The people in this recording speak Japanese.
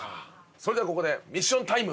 それではここでミッションタイム。